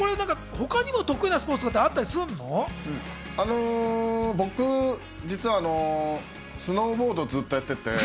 他にも得意な僕、実はあのスノーボードをずっとやっていて。